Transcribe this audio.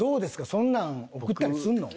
そんなん送ったりすんの？